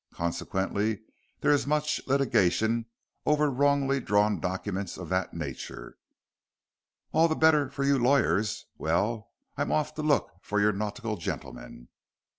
Consequently, there is much litigation over wrongly drawn documents of that nature." "All the better for you lawyers. Well, I'm off to look for your nautical gentleman."